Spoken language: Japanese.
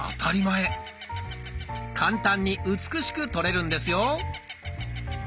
簡単に美しく撮れるんですよ。